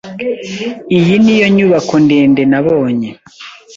Iyi niyo nyubako ndende nabonye.